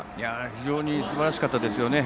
非常にすばらしかったですよね。